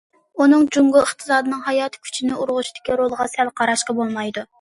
ئۇنىڭ جۇڭگو ئىقتىسادىنىڭ ھاياتىي كۈچىنى ئۇرغۇتۇشتىكى رولىغا سەل قاراشقا بولمايدۇ.